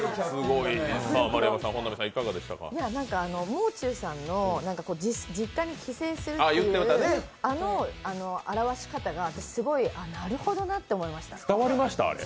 もう中さんの実家に帰省するっていう、あの表し方が、ああなるほどなって思いました。